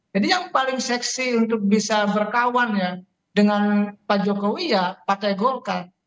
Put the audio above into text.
jadi yang paling seksi untuk bisa berkawan ya dengan pak jokowi ya partai golkar